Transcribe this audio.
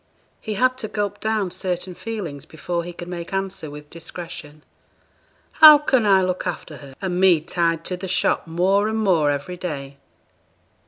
He had to gulp down certain feelings before he could make answer with discretion. 'How can I look after her, and me tied to the shop more and more every day?'